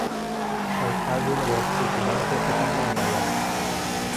از طرز لباس پوشیدن تو خوشم نمیآید.